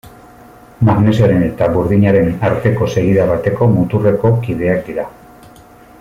Magnesioaren eta burdinaren arteko segida bateko muturreko kideak dira.